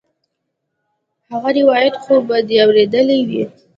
هغه روايت خو به دې اورېدلى وي.